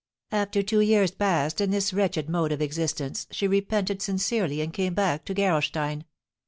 "After two years passed in this wretched mode of existence she repented sincerely, and came back to Gerolstein.